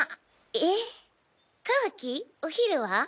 えぇカワキお昼は？